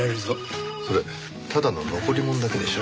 それただの残り物なだけでしょ。